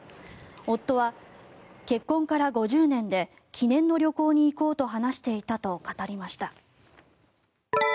夫は結婚から５０年で記念の旅行に行こうと話していたと語りました。